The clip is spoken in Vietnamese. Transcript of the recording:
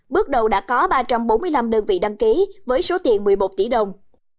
bước đầu đã có ba trăm bốn mươi năm đơn vị đăng ký với số tiền một mươi một tỷ đồng